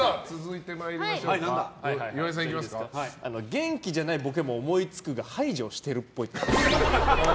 元気じゃないボケも思いつくが排除してるっぽい。